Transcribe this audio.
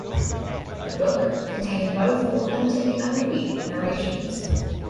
The books contain both Authentic and weak narrations.